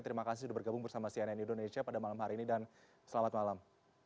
terima kasih sudah bergabung bersama cnn indonesia pada malam hari ini dan selamat malam